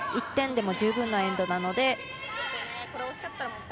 １点でも十分なエンドなので。